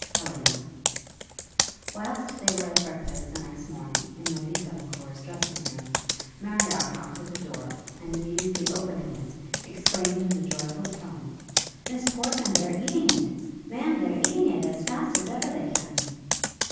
HELENA Whilst they were at breakfast the next morning in Lady Delacour's dressing room, Marriott knocked at the door, and immediately opening it, exclaimed in a joyful tone, "Miss Portman, they're eating it! Ma'am, they're eating it as fast as ever they can!"